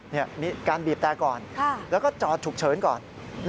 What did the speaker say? นี่มีการบีบแต่ก่อนแล้วก็จอดฉุกเฉินก่อน